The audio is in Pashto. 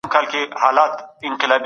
د دولت پیاوړتیا د ټولو په ګټه ده.